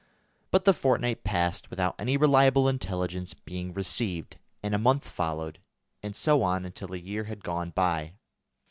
But the fortnight passed without any reliable intelligence being received, and a month followed, and so on until a year had gone by.